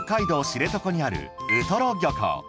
知床にあるウトロ漁港